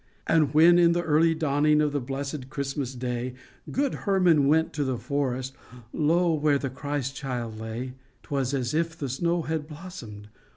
And when, in the early dawning of the blessed Christmas Day, Good Hermann went to the forest, lo, where the Christ child lay, 'T was as if the snow had blossomed